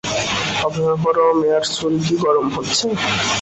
অপেক্ষা কর, মেয়ার ছুরি কি গরম হচ্ছে?